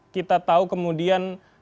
kita tahu kemudian update bersama pkb